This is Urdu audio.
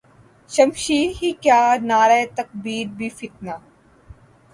شمشیر ہی کیا نعرہ تکبیر بھی فتنہ